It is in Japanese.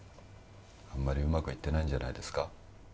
あんまりうまくはいってないんじゃないですか？